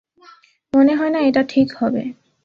মনে হয় না এটা ঠিক হবে।